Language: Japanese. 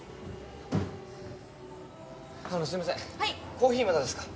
コーヒーまだですか？